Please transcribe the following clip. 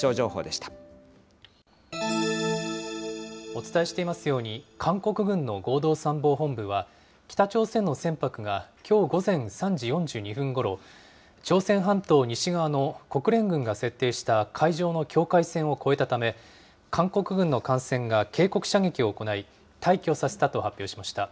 お伝えしていますように、韓国軍の合同参謀本部は、北朝鮮の船舶が、きょう午前３時４２分ごろ、朝鮮半島西側の国連軍が設定した海上の境界線を越えたため、韓国軍の艦船が警告射撃を行い、退去させたと発表しました。